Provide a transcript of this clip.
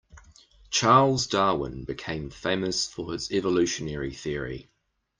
Charles Darwin became famous for his evolutionary theory.